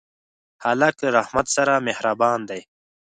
هلک له رحمت سره مهربان دی.